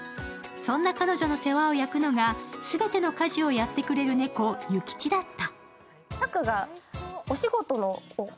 そんな彼女の世話を焼くのが、全ての家事をやってくれる猫・諭吉だった。